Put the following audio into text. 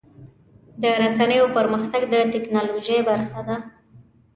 د رسنیو پرمختګ د ټکنالوژۍ برخه ده.